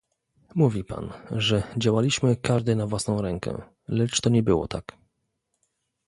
Mówi pan, że działaliśmy każdy na własną rękę, lecz to nie było tak